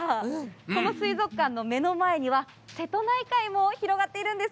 この水族館の目の前には、瀬戸内海も広がっているんです。